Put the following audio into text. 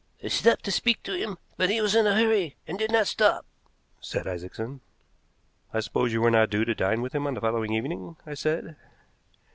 "I stopped to speak to him, but he was in a hurry, and did not stop," said Isaacson. "I suppose you were not due to dine with him on the following evening?" I said.